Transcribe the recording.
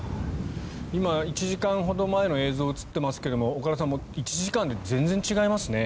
今、１時間ほど前の映像が映っていますが岡田さん１時間で全然違いますね。